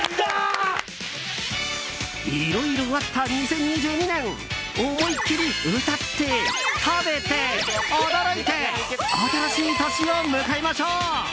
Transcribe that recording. いろいろあった２０２２年思いっきり歌って、食べて、驚いて新しい年を迎えましょう。